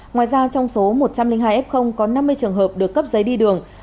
ngoài ra trong số một trăm linh hai f có năm mươi trường hợp được cấp giấy đi đường